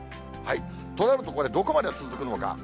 となると、これ、どこまで続くのか。